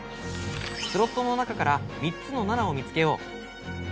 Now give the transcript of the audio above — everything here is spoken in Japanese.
スロットの中から３つの７を見つけよう。